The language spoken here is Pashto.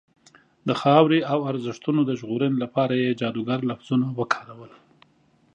د خاورې او ارزښتونو د ژغورنې لپاره یې جادوګر لفظونه وکارول.